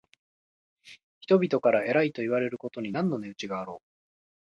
人々から偉いといわれることに何の値打ちがあろう。